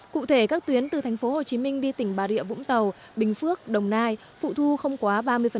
cụ thể các tuyến từ thành phố hồ chí minh đi tỉnh bà rịa vũng tàu bình phước đồng nai phụ thu không quá ba mươi